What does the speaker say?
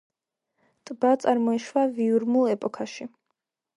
ტბა წარმოიშვა ვიურმულ ეპოქაში.